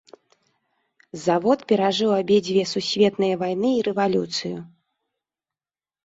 Завод перажыў абедзве сусветныя вайны і рэвалюцыю.